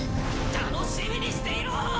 楽しみにしていろ！